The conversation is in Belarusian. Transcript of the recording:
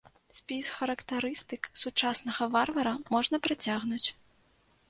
Спіс характарыстык сучаснага варвара можна працягнуць.